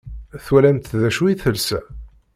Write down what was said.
Twalamt d acu i telsa?